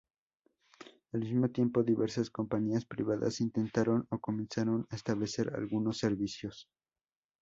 Al mismo tiempo diversas compañías privadas intentaron o comenzaron a establecer algunos servicios.